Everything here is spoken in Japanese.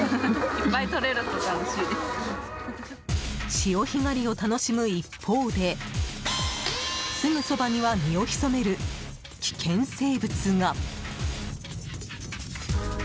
潮干狩りを楽しむ一方ですぐそばには身を潜める危険生物が。